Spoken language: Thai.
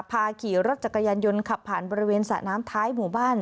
พาขี่รถจักรยานยนต์ขับผ่านบริเวณสระน้ำท้ายหมู่บ้าน